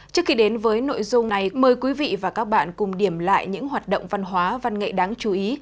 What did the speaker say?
trước khi đến với nội dung này mời quý vị và các bạn cùng điểm lại những hoạt động văn hóa văn nghệ đáng chú ý